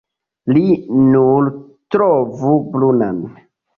Li nur trovu brunan.